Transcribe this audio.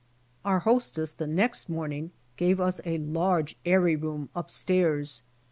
. Our hostess the next morning gave us a large airy room up stairs.